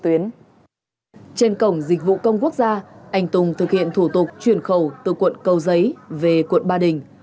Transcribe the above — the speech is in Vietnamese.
trên cổng dịch vụ công quốc gia anh tùng thực hiện thủ tục chuyển khẩu từ quận cầu giấy về quận ba đình